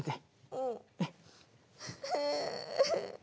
うん。